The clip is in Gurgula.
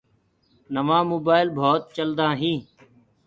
نوآ مونآئيل بوت چلدآ هينٚ